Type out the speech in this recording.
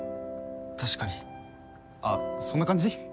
確かにあっそんな感じ？